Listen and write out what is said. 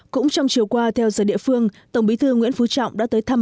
cũng trong chiều qua theo giờ địa phương tổng bí thư nguyễn phú trọng đã tới thăm